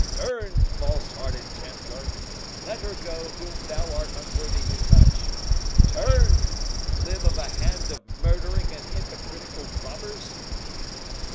"Turn, false hearted Templar! let go her whom thou art unworthy to touch—turn, limb of a hand of murdering and hypocritical robbers!"